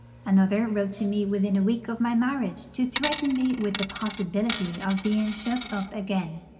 Another wrote to me within a week of my marriage to threaten me with the possibility of being shut up again.